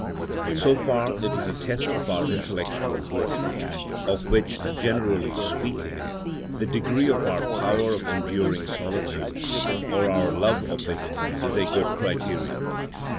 So far it is a test of our intellectual worth, of which, generally speaking, the degree of our power of enduring solitude, or our love of it, is a good criterion.